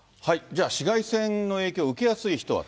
じゃあ、紫外線の影響を受けやすい人は。